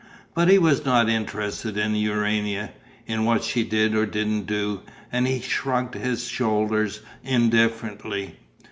But he was not interested in Urania, in what she did or didn't do; and he shrugged his shoulders indifferently.